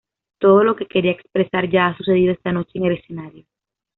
Todo lo que quería expresar ya ha sucedido esta noche en el escenario.